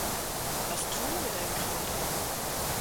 Was tun wir denn gerade?